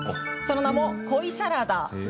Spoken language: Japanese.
その名も恋サラダ。